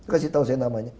kasih tahu saya namanya